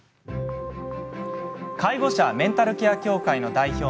介護者メンタルケア協会の代表